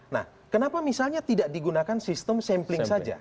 nah kenapa misalnya tidak digunakan sistem sampling saja